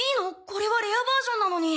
これはレアバージョンなのに。